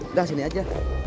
udah sini aja